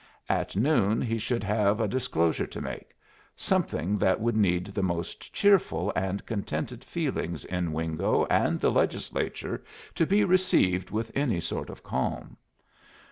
At noon he should have a disclosure to make; something that would need the most cheerful and contented feelings in Wingo and the Legislature to be received with any sort of calm.